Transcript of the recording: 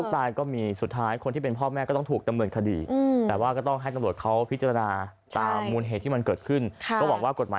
มันมีหลายเหตุการณ์แบบนี้นะ